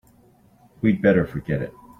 We'd better forget it.